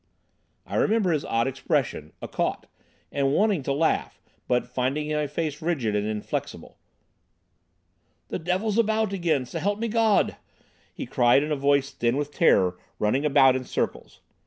I remember his odd expression "a caught," and wanting to laugh, but finding my face rigid and inflexible. "The devil's about again, s'help me Gawd!" he cried, in a voice thin with terror, running about in circles.